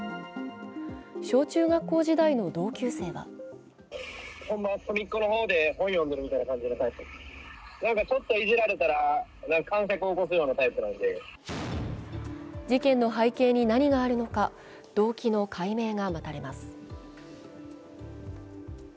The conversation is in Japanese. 小中学校時代の同級生は事件の背景に何があるのか、動機の解明が待たれます。